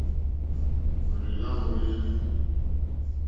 Òrzì lá môlélí.